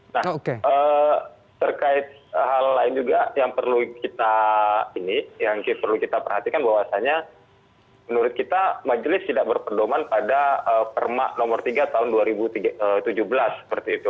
nah terkait hal lain juga yang perlu kita ini yang perlu kita perhatikan bahwasannya menurut kita majelis tidak berperdoman pada perma nomor tiga tahun dua ribu tujuh belas seperti itu